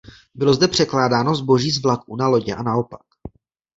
Bylo zde překládáno zboží z vlaků na lodě a naopak.